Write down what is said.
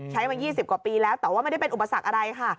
มา๒๐กว่าปีแล้วแต่ว่าไม่ได้เป็นอุปสรรคอะไรค่ะ